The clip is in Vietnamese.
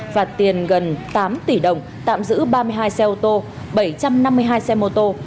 phạt tiền gần tám tỷ đồng tạm giữ ba mươi hai xe ô tô bảy trăm năm mươi hai xe mô tô